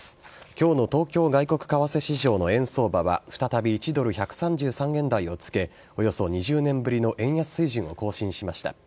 今日の東京外国為替市場の円相場は再び、１ドル１３３円台をつけおよそ２０年ぶりの円安水準を更新しました。